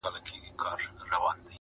غزل – عبدالباري جهاني-